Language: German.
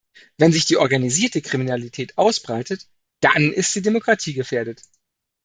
Wenn sich die organisierte Kriminalität ausbreitet, dann ist die Demokratie gefährdet.